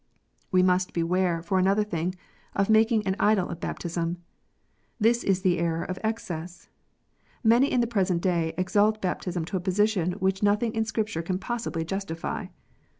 We must beware, for another thing, of makiny an idol of baptism. This is the error of excess. Many in the present day exalt baptism to a position which nothing in Scripture can possibly justify.